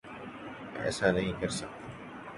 ایسا نہیں کرسکتا